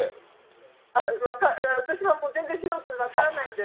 私は全然素人で分からないので。